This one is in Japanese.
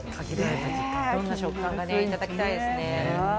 どんな食感なのかいただきたいですね。